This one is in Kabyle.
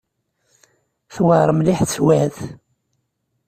Tewɛer mliḥ teswiɛt.